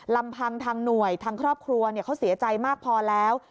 ลำพังทางหน่วยทางครอบครัวเขาเสียใจมากพอแล้ว